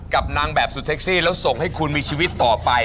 กับนางแบบสุดเซ็กซี่แล้วส่งให้คุณมีชีวิตต่อไป